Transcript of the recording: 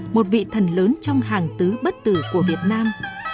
một vị thần lớn trong hàng tứ bất tử của việt nam